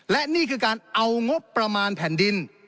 และนี่คือการเอางบประมาณแผ่นดิน